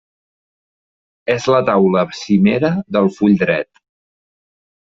És la taula cimera del full dret.